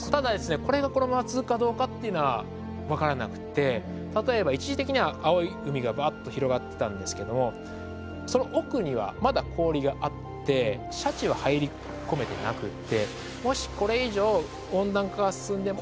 これがこのまま続くかどうかっていうのは分からなくて例えば一時的には青い海がばっと広がってたんですけどその奥にはまだ氷があってシャチは入り込めてなくって。